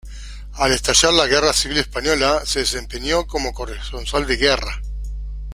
Al estallar la Guerra Civil Española se desempeñó como corresponsal de guerra.